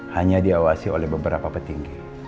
hanya diawasi oleh beberapa petinggi